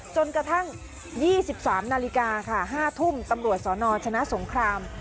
จนกระทั่ง๒๓นาฬิกาค่ะ๕ทุ่มตำรวจสนชนะสงคราม